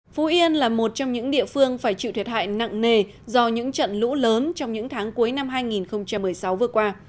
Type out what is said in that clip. phú yên là một trong những địa phương phải chịu thiệt hại nặng nề do những trận lũ lớn trong những tháng cuối năm hai nghìn một mươi sáu vừa qua